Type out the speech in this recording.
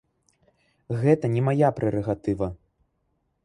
Гэта не мая прэрагатыва.